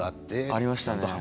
ありましたね。